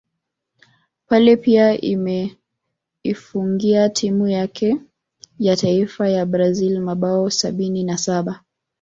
Pele pia ameifungia timu yake yataifa ya Brazil mabao sabini na Saba